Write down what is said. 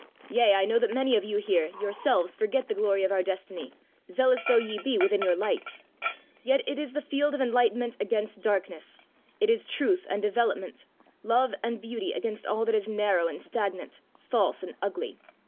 Yea, I know that many of you here, yourselves forget the glory of our destiny, zealous though ye be within your lights. Yet it is the fight of enlightenment against darkness. It is truth and development, love and beauty against all that is narrow and stagnant, false and ugly.